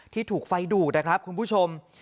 ที่ถูกไฟดูดครับคุณผู้ชม